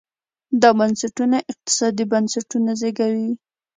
دا بنسټونه اقتصادي بنسټونه زېږوي.